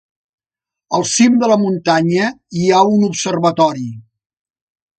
Al cim de la muntanya hi ha un observatori.